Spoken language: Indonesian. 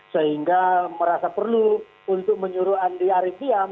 sehingga merasa perlu untuk menyuruh andi arief diam